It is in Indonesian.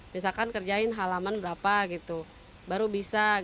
misalkan kerjain halaman berapa gitu baru bisa